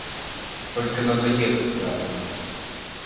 Только надо ехать рано.